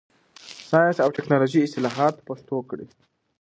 د ساینس او ټکنالوژۍ اصطلاحات پښتو کړئ.